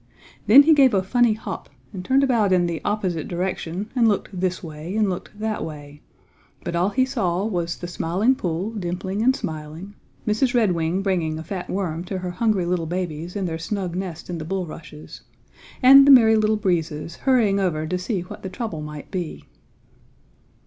Then he gave a funny hop and turned about in the opposite direction and looked this way and looked that way, but all he saw was the Smiling Pool dimpling and smiling, Mrs. Redwing bringing a fat worm to her hungry little babies in their snug nest in the bulrushes, and the Merry Little Breezes hurrying over to see what the trouble might be.